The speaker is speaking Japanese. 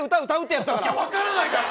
いや分からないから！